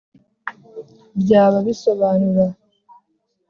byaba bisobanura